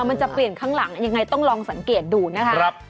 มันจะเปลี่ยนข้างหลังยังไงต้องลองสังเกตดูนะครับ